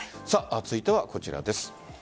続いてはこちらです。